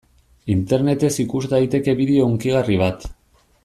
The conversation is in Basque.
Internetez ikus daiteke bideo hunkigarri bat.